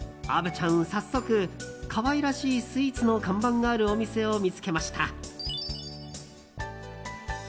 虻ちゃん、早速可愛らしいスイーツの看板があるお店を見つけました。